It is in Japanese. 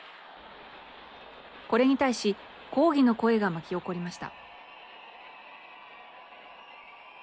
これに対し抗議の声が巻き起こりました。